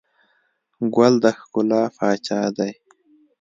ګل د ښکلا پاچا دی.